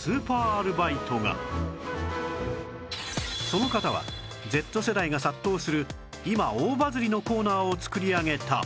その方は Ｚ 世代が殺到する今大バズりのコーナーを作り上げた